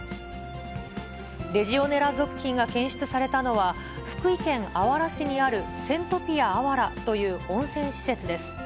レジオネラ属菌が検出されたのは、福井県あわら市にあるセントピアあわらという温泉施設です。